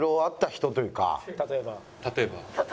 「例えば？」。